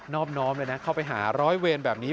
อบน้อมเลยนะเข้าไปหาร้อยเวรแบบนี้